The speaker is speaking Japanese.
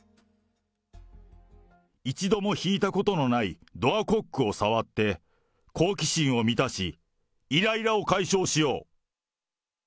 一度も引いたことのないドアコックを触って、好奇心を満たし、いらいらを解消しよう。